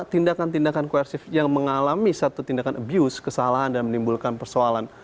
tindakan tindakan koersif yang mengalami satu tindakan abuse kesalahan dan menimbulkan persoalan